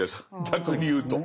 逆に言うと。